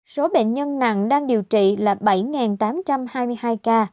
số bệnh nhân nặng đang điều trị là bảy tám trăm hai mươi hai ca